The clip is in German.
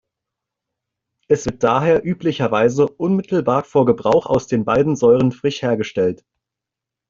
Es wird daher üblicherweise unmittelbar vor Gebrauch aus den beiden Säuren frisch hergestellt.